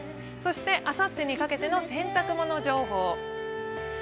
あさってにかけての洗濯物情報。